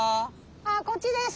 こっちです。